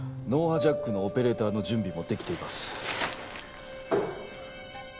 脳波ジャックのオペレーターの準備も出来ています。